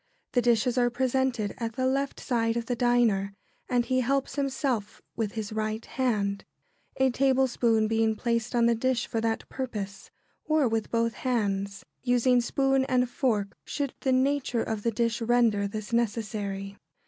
The dishes are presented at the left side of the diner, and he helps himself with his right hand, a tablespoon being placed on the dish for that purpose; or with both hands, using spoon and fork, should the nature of the dish render this necessary.